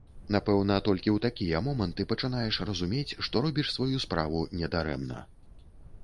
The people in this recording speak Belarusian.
Напэўна, толькі ў такія моманты пачынаеш разумець, што робіш сваю справу не дарэмна.